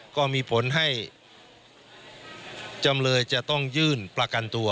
ก็มีผลให้จำเลยจะต้องยื่นประกันตัว